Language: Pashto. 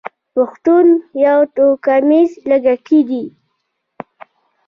پښتون يو توکميز لږکي دی.